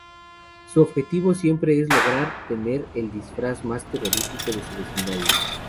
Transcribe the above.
Su objetivo siempre es lograr tener el disfraz más terrorífico de su vecindario.